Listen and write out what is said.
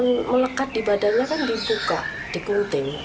kain yang melekat di badannya kan dibuka dikuting